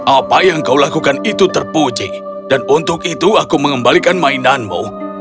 apa yang kau lakukan itu terpuji dan untuk itu aku mengembalikan mainanmu